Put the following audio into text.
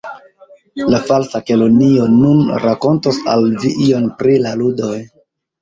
"La Falsa Kelonio nun rakontos al vi ion pri la ludoj."